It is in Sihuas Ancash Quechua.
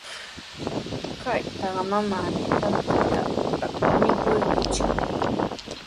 Kaytrawqa manami tantallataku mikunchik.